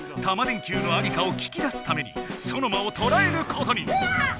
電Ｑのありかを聞き出すためにソノマをとらえることに！